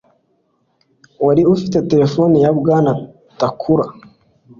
Wari ufite telefone ya Bwana Takakura.